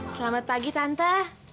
selamat pagi tante